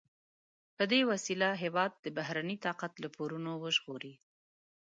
په دې وسیله هېواد د بهرني طاقت له پورونو وژغوري.